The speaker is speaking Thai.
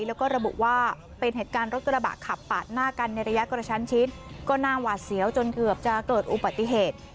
แล้วก็ระบุว่าเป็นเหตุการณ์รถกระบะขับปาดหน้ากันในระยะกระชั้นชิดก็น่าหวาดเสียวจนเกือบจะเกิดอุบัติเหตุ